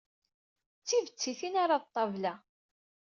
D d tibettit i nerra d ṭṭabla.